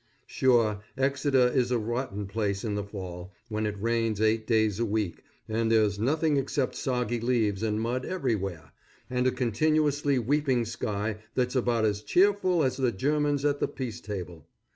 Sure, Exeter is a rotten place in the fall, when it rains eight days a week, and there's nothing except soggy leaves and mud everywhere, and a continuously weeping sky that's about as cheerful as the Germans at the peace table.